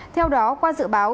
theo đó qua dự báo